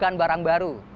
bukan barang baru